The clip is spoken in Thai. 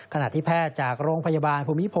ขณะที่แพทย์จากโรงจะแทบ